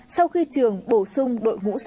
sau khi trường bổ sung đội ngũ giáo viên